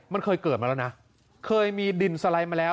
มันเคยเกิดมาแล้วนะเคยมีดินสไลด์มาแล้ว